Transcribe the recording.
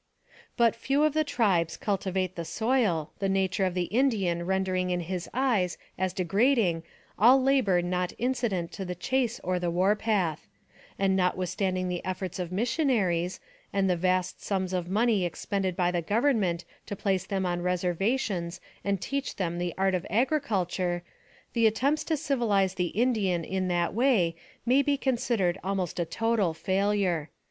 But few of the tribes cultivate the soil, the nature of the Indian rendering in his eyes as degrading all labor not incident to the chase or the war path ; and not withstanding the efforts of missionaries, and the vast sums of money expended by the Government to place them on reservations and teach them the art of agricul ture, the attempts to civilize the Indian in that way may be considered almost a total failure.